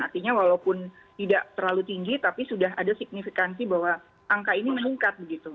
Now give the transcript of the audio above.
artinya walaupun tidak terlalu tinggi tapi sudah ada signifikansi bahwa angka ini meningkat begitu